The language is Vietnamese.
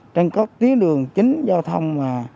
trên các tiến đường chính giao thông